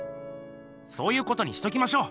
そういうことにしときましょう！